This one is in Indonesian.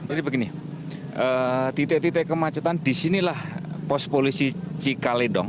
jadi begini titik titik kemacetan di sinilah pos polisi cikaledong